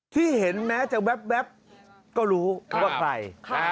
ที่เห็นแม้จะแว๊บก็รู้ว่าใคร